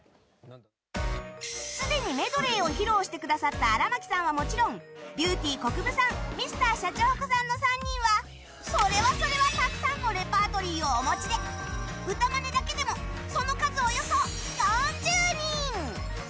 すでにメドレーを披露してくださった荒牧さんはもちろんビューティーこくぶさんＭｒ．シャチホコの３人はそれはそれはたくさんのレパートリーをお持ちで歌マネだけでもその数およそ４０人。